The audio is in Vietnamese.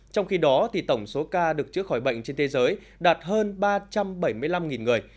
trong khi đó tổng số ca được chữa khỏi bệnh trên thế giới đạt hơn ba trăm bảy mươi năm người